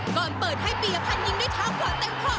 ก่อนเปิดให้ปีภัณฑ์ยิงด้วยเท้าขวาเต็มข้อ